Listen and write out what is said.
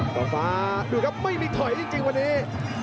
ฟ้าดูครับไม่มีถอยจริงวันนี้